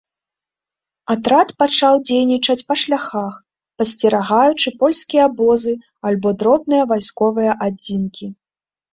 Атрад пачаў дзейнічаць па шляхах, падсцерагаючы польскія абозы альбо дробныя вайсковыя адзінкі.